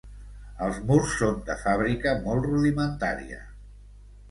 Els murs són de fàbrica molt rudimentària.